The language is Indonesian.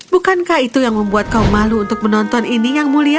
bukankah itu yang membuat kau malu untuk menonton ini yang mulia